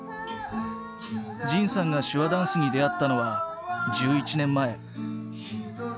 仁さんが手話ダンスに出会ったのは１１年前。